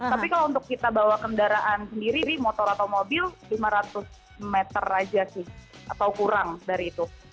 tapi kalau untuk kita bawa kendaraan sendiri motor atau mobil lima ratus meter aja sih atau kurang dari itu